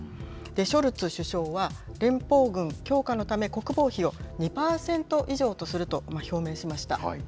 ショルツ首相は、連邦軍強化のため国防費を２％以上とすると表明しました。